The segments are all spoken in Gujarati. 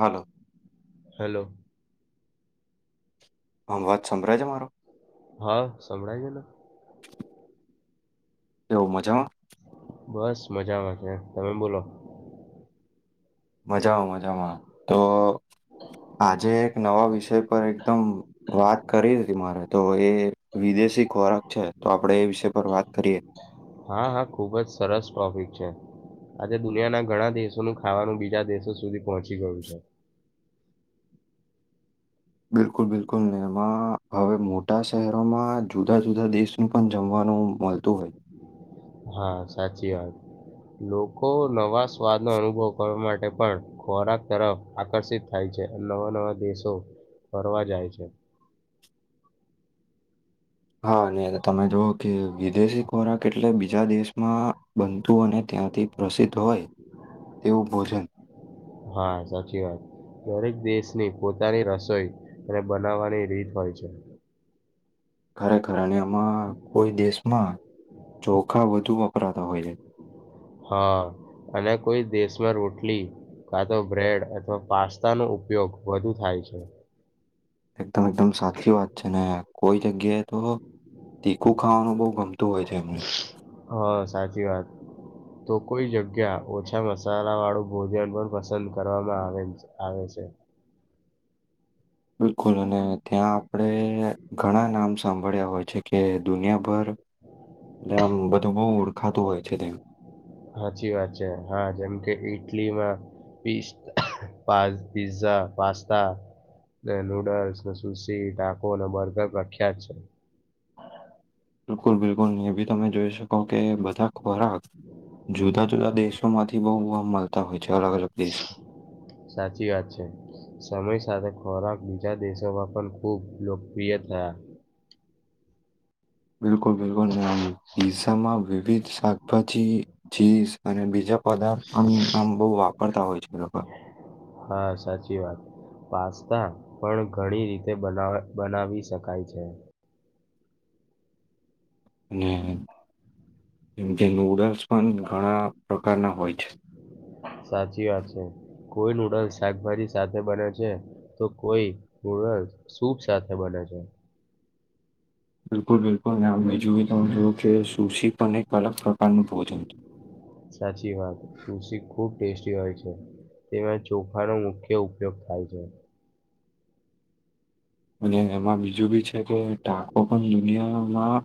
હાલો, હલો અમવાત સંભળા છે, મારો હા સંભળાય છેને. એવું, મજામાં. બસ મજા આવે છે, તમે બોલો જાઓ, મજામા તો આજે, એક નવા વિષય પર એકદમ વાત કરી હતી મારે તો એ વિદેશી ખોરાક છે, તો આપણે એ વિષય પર વાત કરીએ હા, હા ખુબજ સરસ ટોપિક છે. આજે દુનિયાના, ઘણા દેશોનું ખાવાનું બીજા દેશો સુધી પહોંચી ગયું છે. [inaudible] બિલકુલ બિલકુલ ને એમાં હવે મોટા શહેરોમાં જુદા, જુદા દેશનું, પણ જમવાનું નુ, મળતું હોય. હા, સાચી વાત લોકો, નવા સ્વાદનો અનુભવ કરવા માટે પણ ખોરાક તરફ આકર્ષિત થાય છે. અને નવા, નવા દેશો ફરવા જાય છે. હા, ને તમે જોવ કે વિદેશી ખોરાક, એટલે જ બીજા દેશમા બનતું અને ત્યાંથી, પ્રસિદ્ધ હોય, તેવું ભોજન હા, સાચી વાત દરેક દેશની, પોતાની રસોઈ અને બનાવવાની રીત હોય છે. ખરેખર અને એમાં કોઈ, દેશમાં ચોખા વધુ વપરાતા હોય છે. હા, અને કોઈ દેશમાં રોટલી કા તો બ્રેડ, અથવા પાસ્તા નો ઉપયોગ વધુ થાય છે. એકદમ, એકદમ સા સાચી વાત છેને, કોઈ જગ્યાએ તો તીખું ખાવાનું બહુ ગમતું હોય છે એમને હા સાચી વાત. તો કોઈ જગ્યા ઓછા મસાલા વાળું ભોજન પણ પસંદ કરવામાં આવે આવે છે. [inaudible] બિલકુલ અને ત્યાં આપણે ઘણા નામ સાંભળ્યા હોય છે કે દુનિયાભર ને આમ બધું બહુ ઓળખાતું હોય છે તેમ સાચી વાત છે હા જેમ કે ઈટલીમાં પિસ્ટ પા પિઝા પાસ્તા ને નૂડલ્સ ને સુસી ટાકો બર્ગર પ્રખ્યાત છે. બિલકુલ બિલકુલ એ ભી તમે જોઈ શકો કે બધા ખોરાક જુદા જુદા દેશોમાંથી બહુ વાવા મળતા હોય છે. અલગ અલગ દેશ. સાચી વાત છે સમય સાથે ખોરાક બીજા દેશોમાં પણ ખૂબ લોકપ્રિય થયા. બિલકુલ બિલકુલ નિયમ પીઝામાં વિવિધ શાકભાજી ચીસ અને બીજા પદાર્થ અ આમ બહુ વાપરતા હોય છે લોકો હા સાચી વાત. પાસ્તા પણ ઘણી રીતે બનાવી શકાય છે. અને એમ કે નુડલ્સ પણ ઘણા પ્રકારના હોય. છે સાચી વાત છે. કોઈ નૂડલ્સ શાકભાજી સાથે બને છે તો કોઈ નૂડલ્સ સૂપ સાથે બને. [inaudible] બિલકુલ બિલકુલ બીજો જો કે સુસી પણ એક અલગ પ્રકારનું ભોજન સાચી વાત શું શી ખુબ ટેસ્ટી હોય છે તેમાં ચોખાનો મુખ્ય ઉપયોગ થાય છે. અને એમાં બીજું બી છે કે ટાકો પણ દુનિયામાં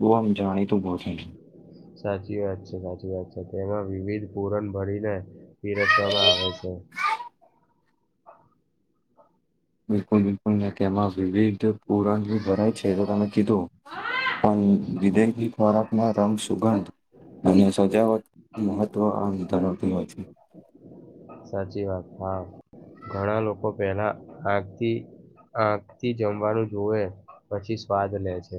વો હમ્મ જાણીતું ભોજન છે. સાચી વાત છે. સાચી વાત છે તેમાં વિવિધ પુરણ ભરીને પીરસવામાં આવે છે. હા બિલકુલ બિલકુલ ને તેમાં વિવિધ પુરાંગ ભરાય છે તો તમે કીધું. પણ વિદેહીી ખોરાકનો રંગ સુગંધ અને સજાવટ મહત્વ આધારથી હોય છે. સાચી વાત હા ઘણા લોકો પેલા આગથી. આખ થી જમવાનું જોવે પછી સ્વાદ લે છે.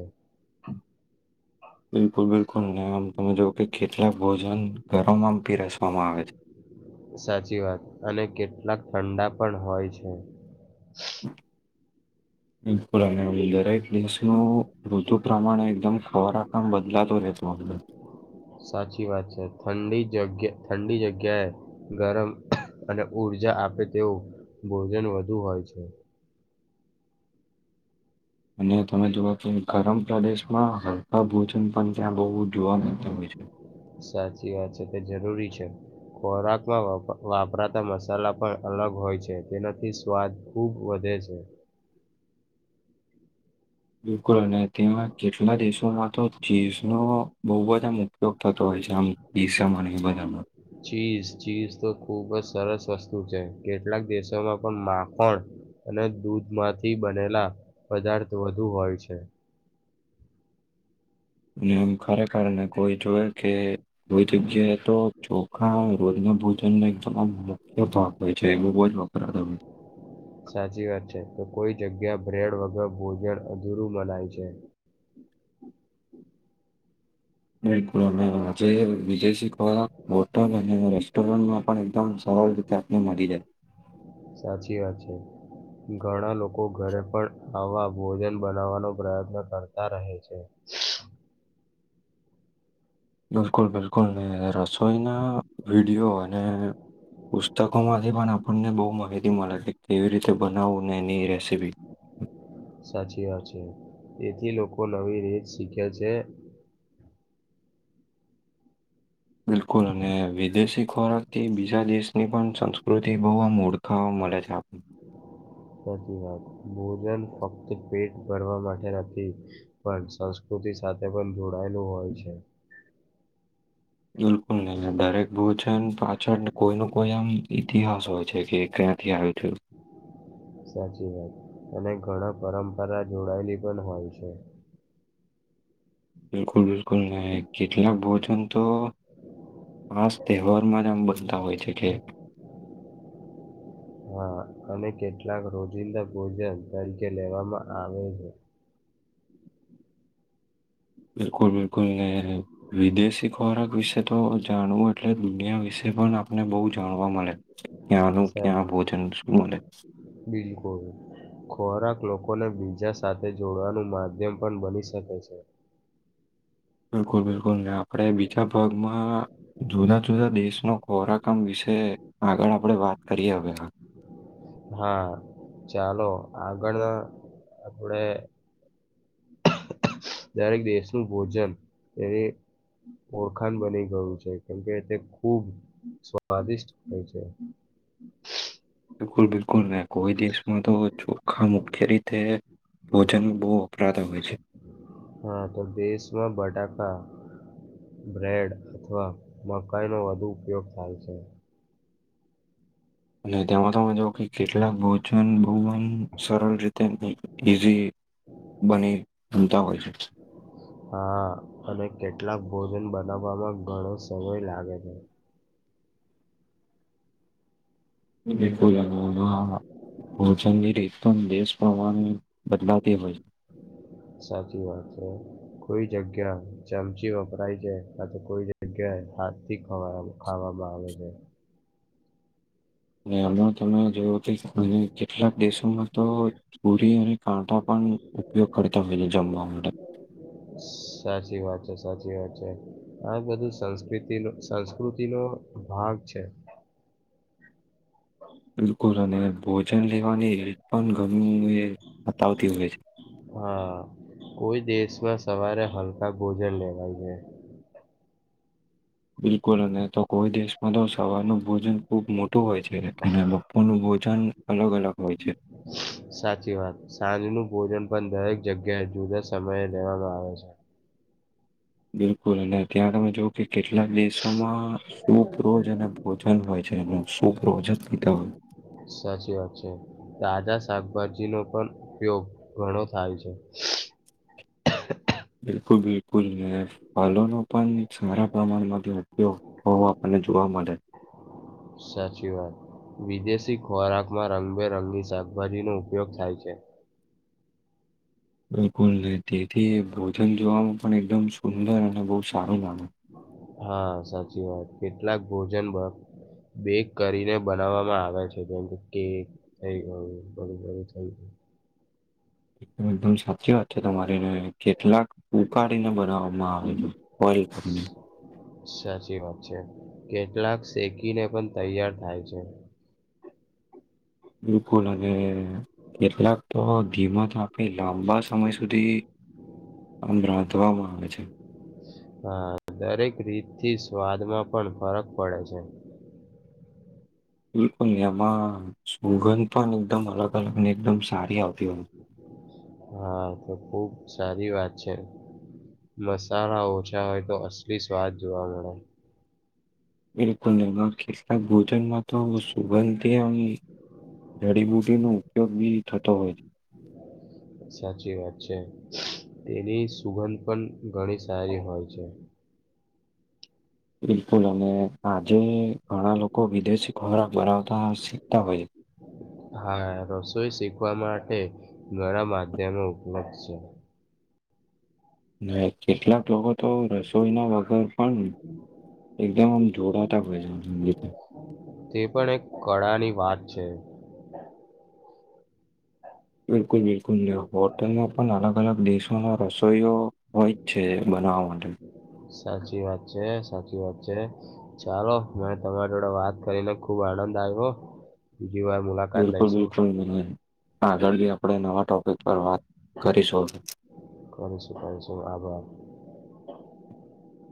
બિલકુલ બિલકુલ ને આમ તમે જો કે કેટલાક ભોજન ઘરોમાં પીરસવામાં આવે છે. સાચી વાત અને કેટલાક ઠંડા પણ હોય છે. પુરાને દસ વધતુ પ્રમાણે એકદમ ખવારા કામ બદલાતો રહેેતોદમ સાચી વાત છે ઠંડી જગ્યા ઠંડી જગ્યાએ ગરમ. અને ઉર્જા આપે તેવું ભોજન વધુ હોય છે. અને તમે જોવા તો ગરમ પ્રદેશમાં હલકા ભોજન પણ ત્યાં બહુ જોવા મળ. સાચી વાત છે તે જરૂરી છે. ખોરાકમાં વાપરાતા મસાલા પણ અલગ હોય છે તેનાથી સ્વાદ ખૂબ વધે. છે. બિલકુલ અને ત્યાં કેટલા દેશોમાં તો ચીઝનો બહુ બધા આમ ઉપયોગ થતો હોય છે આમ ગસમ અને એ બધામાં. ચીઝ ચીઝ તો ખુબ જ સરસ વસ્તુ છે, કેટલાક દેશોમાં પણ માખણ. અને દૂધ માંથી બનેલા પદાર્થ વધુ હોય છે. એમ ખરેખર ને કોઈ જોય કે કોઈ જગ્યાએ તો ચોખા રોજ ના ભોજન ના એક તમામ મુખ્ય ભાગ હોય છે. એ બહુ જ વપરા ત. સાચી વાત છે, કે કોઈ જગ્યા, બ્રેડ વગર ભોજન અધૂરું મનાય છે. [inaudible] બિલકુલ, અને આજે વિજયીખ હોટલ અને રેસ્ટોરન્ટમાં પણ એકમ તે આપને, મારી જાય સાચી વાત છે. ઘણા લોકો ઘરે પણ આવા, ભોજન બનાવવાનો પ્રયત્ન કરતા રહે છે. [inaudible] બિલકુલ, બિલકુલ મેં રસોઈના વિડીિયો અને પુસ્તકો, માંથી પણ આપણને બહુ માહિતી, મળે કે કેવી રીતે બનાવવું ને એની રેસીપી હ સાચી વાત છે, એથી લોકો નવી રીત શીખે છે. બિલકુલ અને વિદેશી ખોરાકથી બીજા દેશની પણ સંસ્કૃતિ, બહુ આમ ઓળખા મળે છે, આપને ભોજન ફક્ત પેટ ભરવા માટે નથી, પણ સંસ્કૃત સાથે પણ જોડાયેલું હોય છે. [inaudible] બિલકુલ નહી, દરેક ભોજન પાછળ કોઈ ન કોઈ આમ ઈતિહાસ હોય છે, કે માંથી આવ્યું છુ. સાચી વાત, અને ઘણા પરંપરા જોડાયેલી પણ હોય છે. બિલકુલ, બિલકુલ ન કેટલાક ભોજન તો ખાસ, તહેવારમાં નામ બનતા હોય છે, કે હા, અને કેટલાક રોજિંદા ભોજન તરીકે લેવામાં આવે છે. [inaudible] બિલકુલ, બિલકુલ ને વિદેશી ખોરાક વિશે તો જાણવુ, એટલે દુનિયા વિશે એ પણ, આપને બહુ જાણવા મળે ક્યાંનુ સા ક્યા ભોજન શું મળે બિલકુલ ખોરાક લોકોને બીજા સાથે, જોડવાનું માધ્યમ પણ બની શકે છે. [unintelligible] [inaudible] બિલકુલ, બિલકુલ આપડે‌ બીજા ભાગમાં જુદા જુદા, દેશનો ખોરાક આમ વિશે આગળ આપડે વાત કરીએ હવે. હા, ચાલો આગળના આપડે [unintelligible] [inaudible] દરેક દેશનું, ભોજન એને ઓરખાણ બની ગયું છે, કેમકે તે ખૂબ સ્વાદિષ્ટ થયા છે. બિલકુલ, બિલકુલ ના કોઈ દિવસમાં તો ચોખા મકાઈ. મુખ્ય રીતે ભોજન બહુ વપરાતા હોય છે. હા, તો દેશમાં બટાકા બ્રેડ અથવા મકાઈનો વધુ ઉપયોગ થાય છે. અને તેમાં તમે જો કે કેટલાક ભોજન બહુ સરળ રીતે ઈઝી બને ભનતા હોય છે. હા, અને કેટલાક ભોજન બનાવવામાં ઘણો સમય લાગે છે. [unintelligible] [inaudible] [unintelligible] એ કો પોચની રીતતો પ્રવાહ, બદલાતી હોય છે. સાચી વાત છે, કોઈ જગ્યા ચમચી વપરાય છે, અને તો કોઈ, જગ્યા. હાથ થી, ખવાઈ ખાવામાં આવે છે. અને આમા, તમે જોવુ કેટલાક દેશોમા તો પૂરી અને કાંટા, પણ ઉપયોગ કરતા હોય છે, જમવા માટે સાચી વાત સાચી વાત છે, આ બધું સંસ્તિ સંસ્કૃતિ નો ભાગ છે. [unintelligible] [inaudible] બિલકુલ અને ભોજન લેવાની હેલ્પ, પણ ગમે એ બતાવતી હોય છે. હા, કોઈ દેશમાં સવારે હલકા ભોજન લેવાય છે. બિલકુલ, અને તો કોઈ દેશમાં તો સવારનું ભોજન ખુબ મોટું હોય છે, અને બપોર નું ભોજન અલગ- અલગ હોય છે. હું [inaudible] સાચી વાત, સાંજ નું ભોજન પણ દરેક જગ્યાએ જુદા સમયે લેવામાં આવે છે. લોકો અને, ત્યા તમે જો કે કેટલાક દેશોમાં શુભ રોજ અને ભોજન હોય છે, એનુ શોકરો, ઓજત પતાવાય. સાચી વાત છે, તાજા શાકભાજી, નો પણ ઉપયોગ ઘણો થાય છે. બિલકુલ, બિલકુલ ફલો નો પાન સારા પ્રમાણમાંથી ઉપયોગ હોય. જોવા, મળે. સાચી, વાત વિદેશી, ખોરાકમાં રંગબેરંગી શાકભાજીનો ઉપયોગ થાય છે. બિલકુલ નહી, તેથી ભોજન જોવામાં પણ એકદમ સુંદર અને બહુ સારું લાગે હા, સાચી વાત કેટલાક ભોજન બાદ બેક, કરીને બનાવવામાં આવે છે, જેમ કે કેક થઈ ગઈ હોય. [unintelligible] [inaudible] એકદમ, એકદમ સાચી સાચ વાત છે, તમારી કેટલાક ઉકાળીને બનાવવામાં આવે છે, ઓલ કરીને સાચી વાત છે, કેટલાક શેકીને પણ તૈયાર થાય છે. બિલકુલ અને કેટલાક, તો ધીમ તો આપે લાંબા સમય સુધી ઓમ રાંધવાવામાં આવે છે. હા, દરેક રીતથી સ્વાદમાં પણ ફરક પડે છે. બુલંદ મા સુંગંધ, પણ એકદમ અલગ- અલગ અને એકદમ સારી આવતી હોય. હા, તો ખુબ સારુ મસાલા ઓછા હોય, તો અસલી સ્વાદ જોવા મળે એકનેમા કેટલાક, ભોજન માં તો સુગંધથી જડીબુટી ન ઉપયોગ બી થતો હોય. સાચી, વાત છે. તેની સુગંધ પણ ઘણી સારી હોય, છે. બિલકુલ, અને આજે ઘણા લોકો વિદેશી ખોરાક બનાવતા શીખતા હોય હા, રસોઈ શીખવા માટે મારા માધ્યમે ઉપલબ્ધ છે. ના કેટલાક લોકો, તો રસોઈના વગર પણ એકદમ, આમ જોોડાતા ભય જા તે પણ, એક કળાની વાત છે. બિલકુલ, બિલકુલ હોટલમા, પણ અલગ, અલગ દેશોનો રસોઈઓ હોય જ છે બ અવા વા સાચી વાત છે, સાચી વાત છે, ચાલો મેને તમારી જોડે વાત કરી લે ખુબ, આનંદ દઈવો બિલકુલ, બિલકુલ મને આગળ, આપણે નવાો કો વાત, કરી શ કરીશું કરીશું આભાર